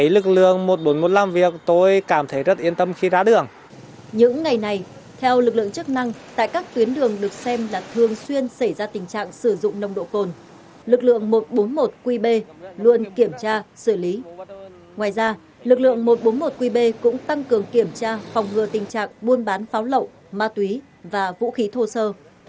lực lượng một trăm bốn mươi một qb đã tăng cường kiểm tra phòng ngừa tình trạng buôn bán pháo lậu ma túy và vũ khí thô sơ